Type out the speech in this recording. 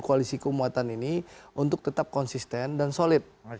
koalisi keumatan ini untuk tetap konsisten dan solid